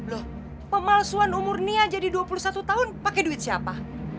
loh pemalsuan umur nia jadi dua puluh satu tahun pakai duit siapa